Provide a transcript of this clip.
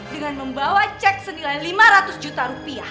dengan membawa cek rp lima ratus juta